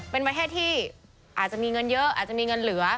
เป็นประเทศที่อาจจะมีเงินเยอะอาจจะมีเงินเหลือ